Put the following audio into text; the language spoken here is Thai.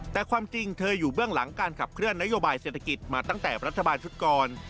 แต่ความจริงเธออยู่เบื้องหลังการขับเคลื่อนนโยบายเศรษฐกิจมาตั้งแต่รัฐบาลชุดก่อน